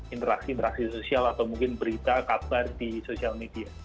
interaksi interaksi sosial atau mungkin berita kabar di sosial media